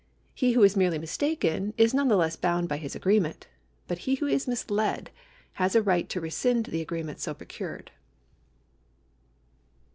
He who is merely mistaken is none the less bound by his agreement ; but he who is misled has a right to rescind the agreement so procured.